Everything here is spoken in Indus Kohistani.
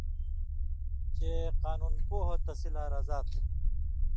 چے قانُون پوہہۡ تسی لا رضا تھہ۔